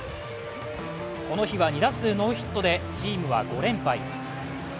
この日は２打数ノーヒットでチームは５連敗。